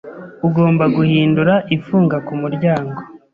Ugomba guhindura ifunga kumuryango.